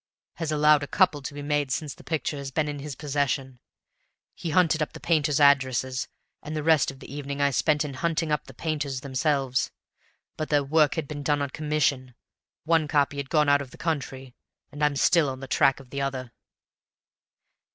has allowed a couple to be made since the picture has been in his possession. He hunted up the painters' addresses, and the rest of the evening I spent in hunting up the painters themselves; but their work had been done on commission; one copy had gone out of the country, and I'm still on the track of the other."